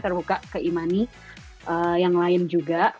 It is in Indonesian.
terbuka ke e money yang lain juga